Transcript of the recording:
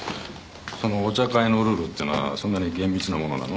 そのお茶会のルールってのはそんなに厳密なものなの？